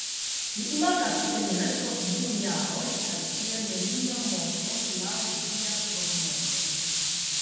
Mi imagas, ke mi restos dum jaroj kaj tiel neniam mortos laŭ via prognozo.